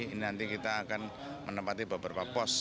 ini nanti kita akan menempati beberapa pos